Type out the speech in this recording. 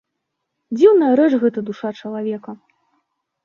Дзіўная рэч гэта душа чалавека!